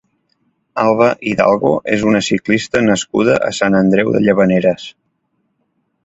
Alba Hidalgo és una ciclista nascuda a Sant Andreu de Llavaneres.